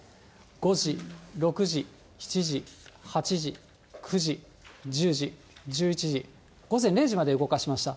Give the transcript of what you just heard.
５時、６時、７時、８時、９時、１０時、１１時、午前０時まで動かしました。